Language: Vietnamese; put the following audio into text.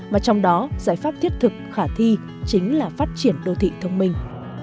và trong đó giải pháp thiết thực khả thi chính là phát triển đô thị thông minh